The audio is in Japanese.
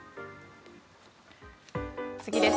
次です。